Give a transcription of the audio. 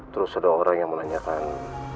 terus ada orang yang menanyakan